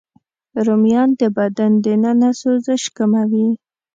رومیان د بدن دننه سوزش کموي